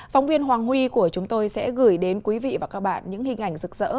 phóng viên hoàng huy của chúng tôi sẽ gửi đến quý vị và các bạn những hình ảnh rực rỡ